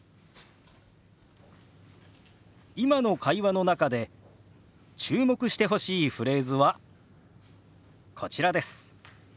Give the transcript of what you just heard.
今の会話の中で注目してほしいフレーズはこちらです。